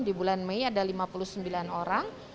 di bulan mei ada lima puluh sembilan orang